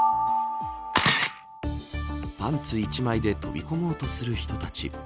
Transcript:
パンツ一枚で飛び込もうとする人たち。